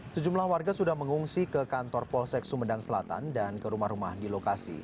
sejumlah warga sudah mengungsi ke kantor polsek sumedang selatan dan ke rumah rumah di lokasi